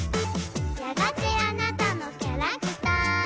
「やがてあなたのキャラクター」